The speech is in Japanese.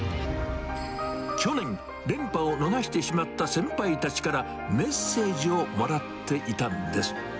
去年、連覇を逃してしまった先輩たちから、メッセージをもらっていたんです。